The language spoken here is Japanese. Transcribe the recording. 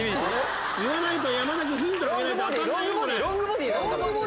言わないと。